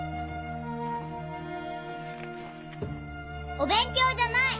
お勉強じゃない！